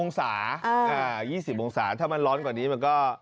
องศา๒๐องศาถ้ามันร้อนกว่านี้มันก็